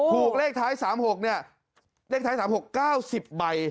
ถูกเลขท้าย๓๖๙๐ใบ๑๐๘ครับ